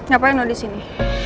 gak payah nulis ini